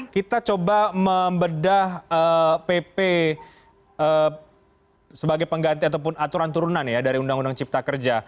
kita coba membedah pp sebagai pengganti ataupun aturan turunan dari undang undang ciptakerja